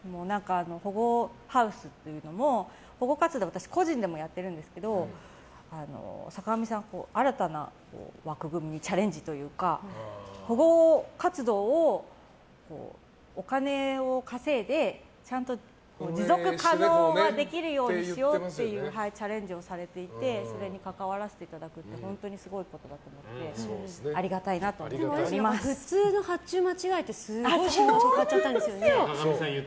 保護ハウスっていうのも保護活動、私個人でもやってるんですけど坂上さんは新たな枠組みにチャレンジというか保護活動をお金を稼いでちゃんと持続可能にできるようにしようというチャレンジをされていてそれに関わらせていただくって本当にすごいことだと思って普通の発注を間違えてすごい買っちゃったんですよね。